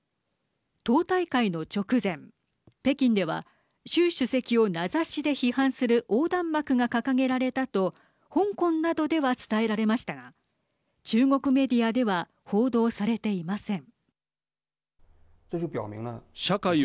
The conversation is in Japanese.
党大会の直前北京では習主席を名指しで批判する横断幕が掲げられたと香港などでは伝えられましたが中国メディアでは報道されていません。